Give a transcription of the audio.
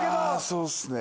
そうっすね。